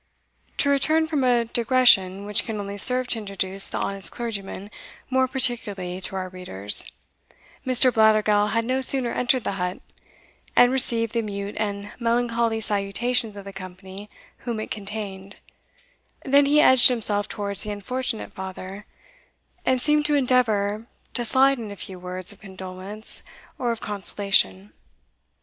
To return from a digression which can only serve to introduce the honest clergyman more particularly to our readers, Mr. Blattergowl had no sooner entered the hut, and received the mute and melancholy salutations of the company whom it contained, than he edged himself towards the unfortunate father, and seemed to endeavour to slide in a few words of condolence or of consolation.